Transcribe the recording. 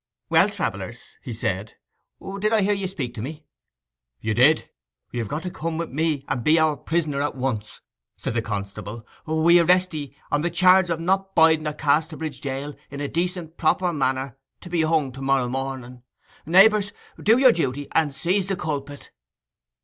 'Well, travellers,' he said, 'did I hear ye speak to me?' 'You did: you've got to come and be our prisoner at once!' said the constable. 'We arrest 'ee on the charge of not biding in Casterbridge jail in a decent proper manner to be hung to morrow morning. Neighbours, do your duty, and seize the culpet!